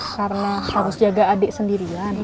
karena harus jaga adik sendirian